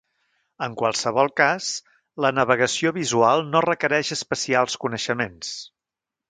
En qualsevol cas, la navegació visual no requereix especials coneixements.